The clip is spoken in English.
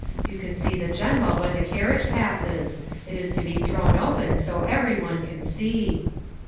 You can see the General when the carriage passes ; it is to be thrown open so every one can see."